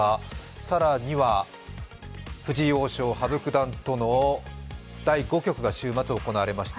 更には藤井王将、羽生九段との第５局が週末、行われました。